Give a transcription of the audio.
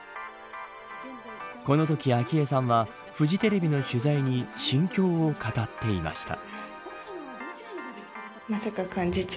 このとき、昭恵さんはフジテレビの取材に心境を語っていました。